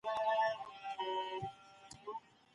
تقليد بايد په ړندو سترګو ونه سي.